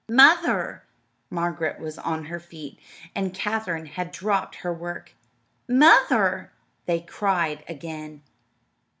"Mother!" Margaret was on her feet, and Katherine had dropped her work. "Mother!" they cried again.